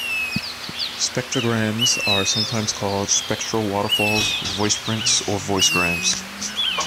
Spectrograms are sometimes called spectral waterfalls, voiceprints, or voicegrams.